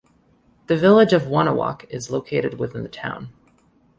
The Village of Wonewoc is located within the town.